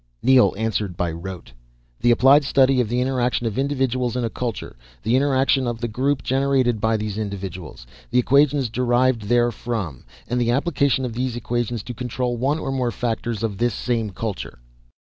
Neel answered by rote. "The applied study of the interaction of individuals in a culture, the interaction of the group generated by these individuals, the equations derived therefrom, and the application of these equations to control one or more factors of this same culture."